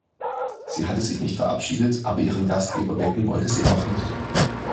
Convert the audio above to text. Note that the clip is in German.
Sie hatte sich nicht verabschiedet, aber ihren Gastgeber wecken wollte sie auch nicht.